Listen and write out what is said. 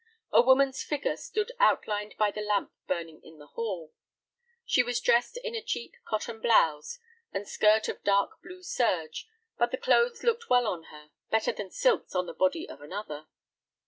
A woman's figure stood outlined by the lamp burning in the hall. She was dressed in a cheap cotton blouse, and skirt of dark blue serge, but the clothes looked well on her, better than silks on the body of another.